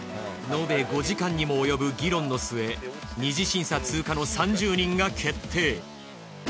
延べ５時間にも及ぶ議論の末二次審査通過の３０人が決定。